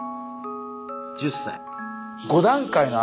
１０歳。